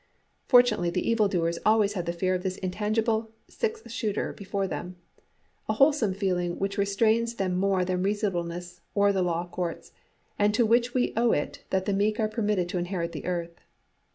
Fortunately the evil doers always have the fear of this intangible six shooter before them; a wholesome feeling, which restrains them more than reasonableness or the law courts, and to which we owe it that the meek are permitted to inherit the earth.